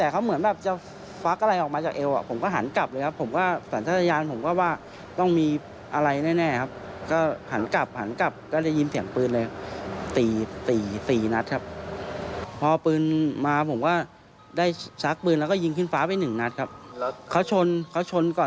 เขาชนก่อนที่จะตกไปเขาชนแล้วก็